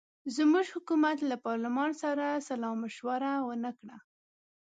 زموږ حکومت له پارلمان سره سلامشوره ونه کړه.